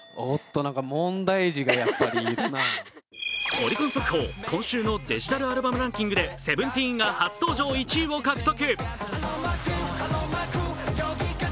オリコン速報、今週のデジタルアルバムランキングでＳＥＶＥＮＴＥＥＮが初登場１位を獲得。